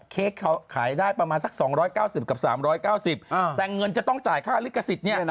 เค้กเขาขายได้ประมาณสัก๒๙๐กับ๓๙๐แต่เงินจะต้องจ่ายค่าลิขสิทธิ์เนี่ย